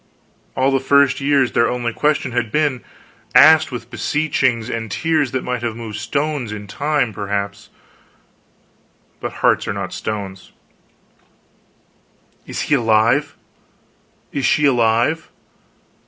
All the first years, their only question had been asked with beseechings and tears that might have moved stones, in time, perhaps, but hearts are not stones: "Is he alive?" "Is she alive?"